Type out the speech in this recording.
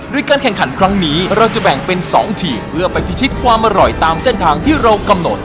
โดยการแข่งขันครั้งนี้เราจะแบ่งเป็น๒ทีมเพื่อไปพิชิตความอร่อยตามเส้นทางที่เรากำหนด